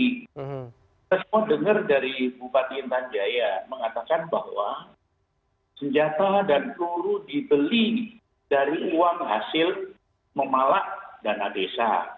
kita semua dengar dari bupati intan jaya mengatakan bahwa senjata dan peluru dibeli dari uang hasil memalak dana desa